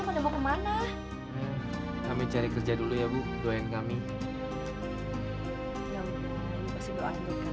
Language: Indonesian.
kita harus mencari yang mana